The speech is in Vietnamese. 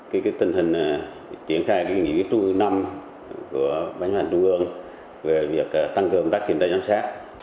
cái tình hình chuyển hóa